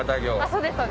そうです。